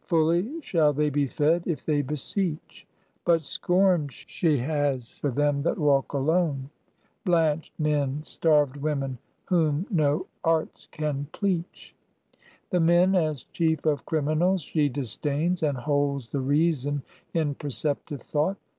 Fully shall they be fed, if they beseech. But scorn she has for them that walk alone; Blanched men, starved women, whom no arts can pleach. The men as chief of criminals she disdains, And holds the reason in perceptive thought.